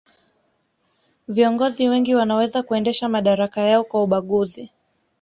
viongozi wengi wanaweza kuendesha madaraka yao kwa ubaguzi